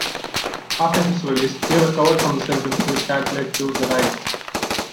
After his release, he recovered from the symptoms which had led to the diagnosis.